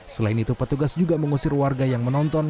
selain itu petugas juga mengusir warga yang menonton